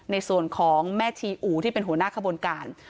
ในส่วนของแม่ชีอู่ที่เป็นหัวหน้าขบวนการ